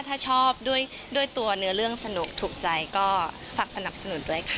ถ้าชอบด้วยตัวเนื้อเรื่องสนุกถูกใจก็ฝากสนับสนุนด้วยค่ะ